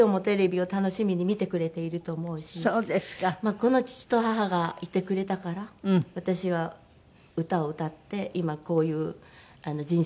この父と母がいてくれたから私は歌を歌って今こういう人生を送っているんだなと。